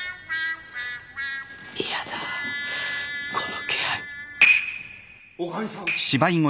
嫌だこの気配・女将さん